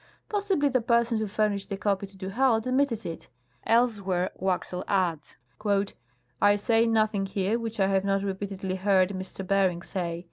Possibly the person who furnished the copy to du Halcle omitted it. Elsewhere Waxel adds :" I say nothing here which I have not repeatedly heard M. Bering say.